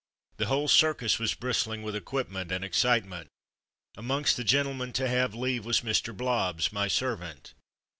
The whole circus was bristling with equipment and ex citement. Amongst the gentlemen to have leave was Mr. Blobbs, my servant.